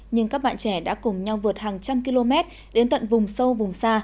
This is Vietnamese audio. nhưng các bạn trẻ đã cùng nhau vượt hàng trăm km đến tận vùng sâu vùng xa